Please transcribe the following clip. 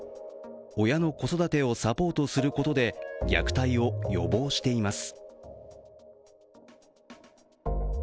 親の子育てをサポートすることで、虐待を予防しています。